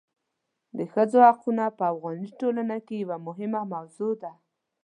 د ښځو حقونه په افغاني ټولنه کې یوه مهمه موضوع ده.